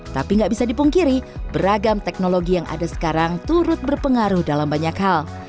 tapi nggak bisa dipungkiri beragam teknologi yang ada sekarang turut berpengaruh dalam banyak hal